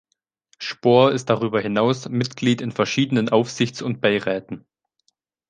Spohr ist darüber hinaus Mitglied in verschiedenen Aufsichts- und Beiräten.